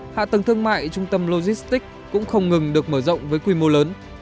hạ tầng thương mại trung tâm logistics cũng không ngừng được mở rộng với quy mô lớn